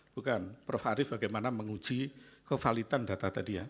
bukan prof arief bagaimana menguji kevalitan data tadi ya